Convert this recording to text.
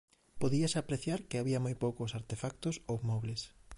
Podíase apreciar que había moi poucos artefactos ou mobles.